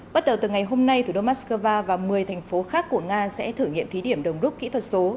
bắt đầu từ ngày hôm nay thủ đô moscow và một mươi thành phố khác của nga sẽ thử nghiệm thí điểm đồng rút kỹ thuật số